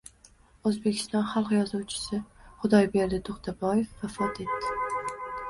O‘zbekiston xalq yozuvchisi Xudoyberdi To‘xtaboyev vafot etdi.